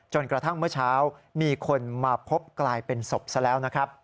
กระทั่งเมื่อเช้ามีคนมาพบกลายเป็นศพซะแล้วนะครับ